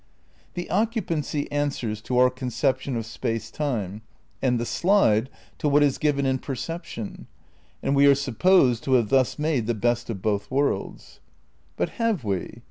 ' The occupancy answers to our conception of space time, and the slide to what is given in perception ; and we are supposed to have thus made the best of both worlds. But have we